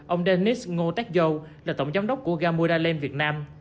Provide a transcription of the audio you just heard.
ông denis ngô tét dâu là tổng giám đốc của gamoda land việt nam